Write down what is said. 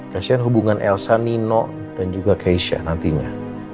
kasian hubungan elsa nino dan juga keisha nantinya